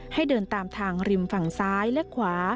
ให้เดินตามทางริมฝั่งซ้ายและขวา